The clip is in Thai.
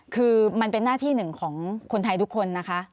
คือมันเป็นหน้าที่หนึ่งของคนไทยทุกคนนะคะ